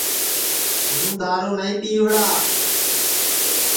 ہُوں دؔارُو نائی پِیوڑا